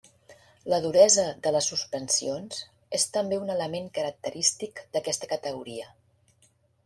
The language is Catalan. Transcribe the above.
La duresa de les suspensions és també un element característic d'aquesta categoria.